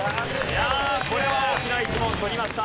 これは大きな１問取りました。